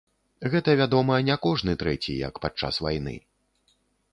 Гэта, вядома, не кожны трэці, як падчас вайны.